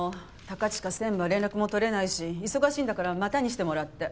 高近専務は連絡も取れないし忙しいんだからまたにしてもらって。